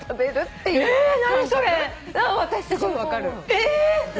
えっ！？